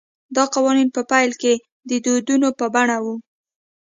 دا قوانین په پیل کې د دودونو په بڼه وو